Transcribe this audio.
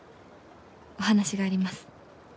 お話があります。